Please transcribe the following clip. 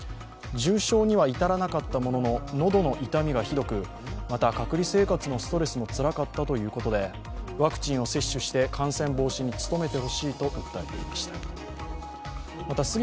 重症には至らなかったものの喉の痛みがひどくまた、隔離生活のストレスもつらかったということで、ワクチンを接種して感染防止に努めてほしいと訴えていました。